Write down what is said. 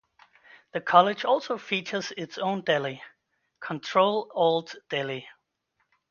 The College also features its own deli: Ctrl-Alt-Deli.